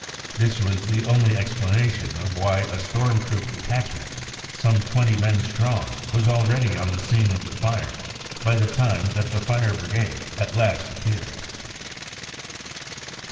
This was the only explanation of why a storm troop detachment some twenty men strong was already on the scene of the fire by the time that the fire brigade at last appeared.